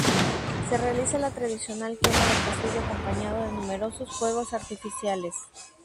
Se realiza la tradicional quema del castillo acompañado de numerosos fuegos artificiales.